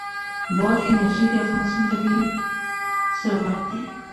بادي انرژي د افغانستان طبعي ثروت دی.